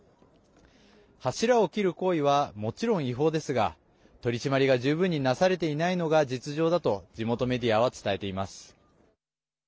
柱を切る行為はもちろん違法ですが取り締まりが十分になされていないのが実情だと地元メディアは伝えています。